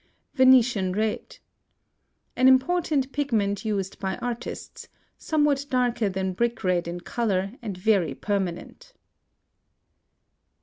VENETIAN RED. An important pigment used by artists, somewhat darker than brick red in color, and very permanent.